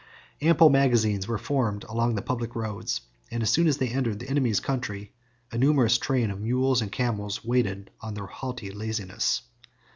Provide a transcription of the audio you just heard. Ample magazines were formed along the public roads, and as soon as they entered the enemy's country, a numerous train of mules and camels waited on their haughty laziness.